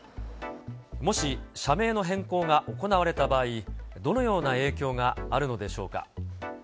もし社名の変更が行われた場合、どのような影響があるのでしょうか。